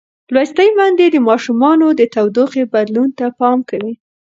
لوستې میندې د ماشومانو د تودوخې بدلون ته پام کوي.